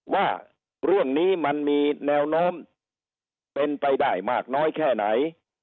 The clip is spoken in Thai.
ว่าเรื่องนี้มันมีแนวโน้มเป็นไปได้มากน้อยแค่ไหน